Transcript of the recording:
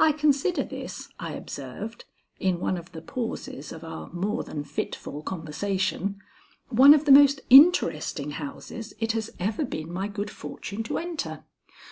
"I consider this," I observed, in one of the pauses of our more than fitful conversation, "one of the most interesting houses it has ever been my good fortune to enter.